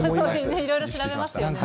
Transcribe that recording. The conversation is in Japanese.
いろいろ調べますよね。